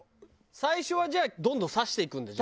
最初はじゃあどんどん刺していくんだ？